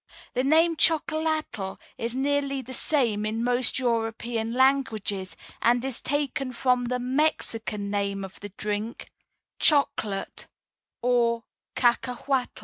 The name "Chocolatl" is nearly the same in most European languages, and is taken from the Mexican name of the drink, "Chocolate" or "Cacahuatl."